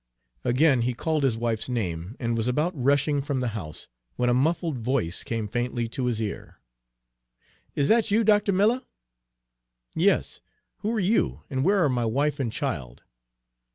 Again he called his wife's name, and was about rushing from the house, when a muffled voice came faintly to his ear, "Is dat you, Doctuh Miller?" "Yes. Who are you, and where are my wife and child?"